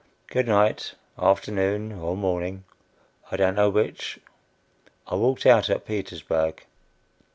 "Good night, afternoon or morning, I don't know which. I walked out at Petersburg."